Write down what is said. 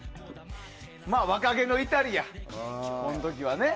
若気の至りや、この時はね。